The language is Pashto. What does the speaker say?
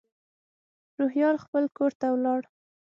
روهیال خپل کور ته لاړ.